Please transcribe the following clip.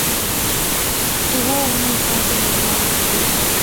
Tuvo una infancia normal y feliz.